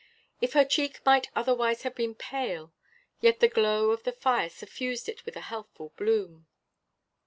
If her cheek might otherwise have been pale, yet the glow of the fire suffused it with a healthful bloom.